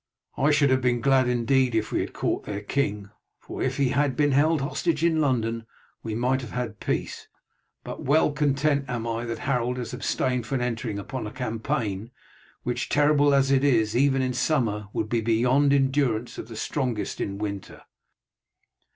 "I should have been glad indeed if we had caught their king, for if he had been held hostage in London we might have had peace; but well content am I that Harold has abstained from entering upon a campaign which, terrible as it is even in summer, would be beyond endurance of the strongest in winter."